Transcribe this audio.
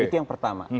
itu yang pertama